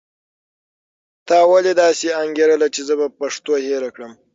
تا ولې داسې انګېرله چې زه به پښتو هېره کړم؟